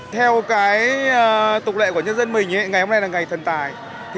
theo tục lệ của nhân dân mình ngày hôm nay là ngày thần tài